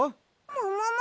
ももも？